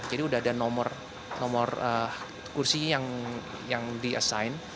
jadi sudah ada nomor kursi yang di assign